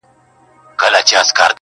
که مېرويس دی، که اکبر، که مسجدي دی؛